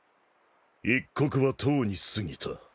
一刻はとうに過ぎた。